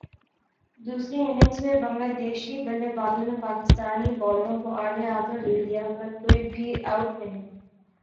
دوسری اننگز میں بنگلہ دیشی بلے بازوں نے پاکستانی بالروں کو اڑھے ہاتھوں لے لیا پر کوئی بھی اوٹ نہیں